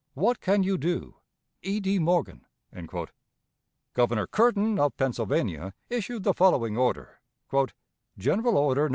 What can you do? "E. D. MORGAN." Governor Curtin, of Pennsylvania, issued the following order: "(GENERAL ORDER, No.